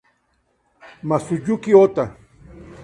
Masayuki Ota